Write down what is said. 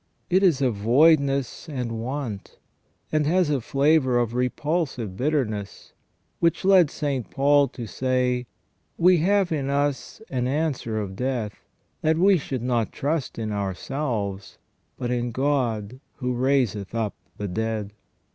It is a voidness and want, and has a flavour of repulsive bitterness, which led St. Paul to say, " We have in us an answer of death, that we should not trust in ourselves, but in God who raiseth up the dead